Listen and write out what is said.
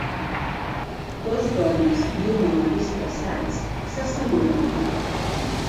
Dos dones i un home disfressats se saluden.